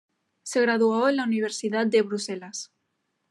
Se graduó en la Universidad de Bruselas.